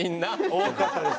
多かったです。